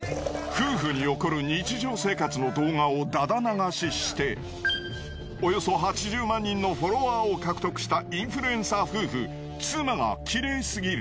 夫婦に起こる日常生活の動画をだだ流ししておよそ８０万人のフォロワーを獲得したインフルエンサー夫婦妻が綺麗過ぎる。